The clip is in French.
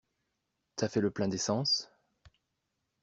T'as fait le plein d'essence?